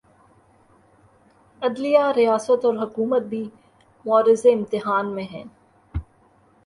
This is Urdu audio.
عدلیہ، ریاست اور حکومت بھی معرض امتحان میں ہیں۔